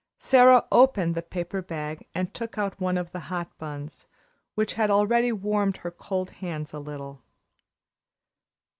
Sara opened the paper bag and took out one of the hot buns, which had already warmed her cold hands a little.